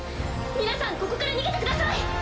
皆さんここから逃げてください！